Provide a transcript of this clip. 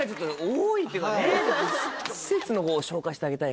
施設の方を紹介してあげたい。